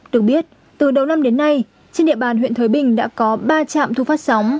được biết từ đầu năm đến nay trên địa bàn huyện thới bình đã có ba trạm thu phát sóng